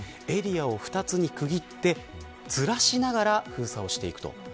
エリアを２つに区切ってずらしながら封鎖をしていくと。